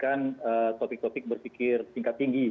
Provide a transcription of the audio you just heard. dan topik topik berpikir tingkat tinggi